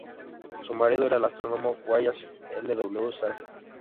Su marido era el astrónomo Wallace L. W. Sargent.